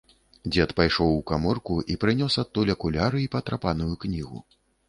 Дзед пайшоў у каморку і прынёс адтуль акуляры і патрапаную кнігу.